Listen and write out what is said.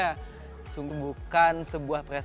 nah sungguh bukan sebuah perangkat